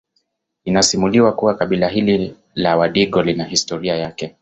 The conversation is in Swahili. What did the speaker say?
Inasimuliwa kuwa kabila hili la Wadigo lina histroria yake